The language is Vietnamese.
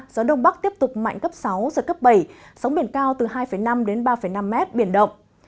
gió đông bắc tiếp tục mạnh cấp sáu và cấp bảy sống biển cao từ hai năm đến ba năm m biển động